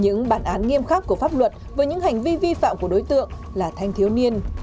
những bản án nghiêm khắc của pháp luật với những hành vi vi phạm của đối tượng là thanh thiếu niên